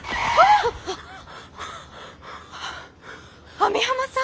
網浜さん！？